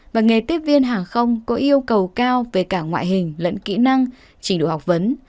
và nghề tiếp viên hàng không có yêu cầu cao về cả ngoại hình lẫn kỹ năng trình độ học vấn